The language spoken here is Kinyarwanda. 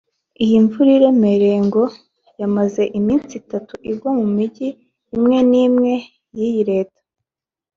Iyi mvura iremereye ngo yamaze iminsi itatu igwa mu Mijyi imwe n’imwe y’iyi Leta